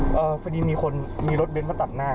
พอดีมีคนมีรถเบ้นมาตัดหน้า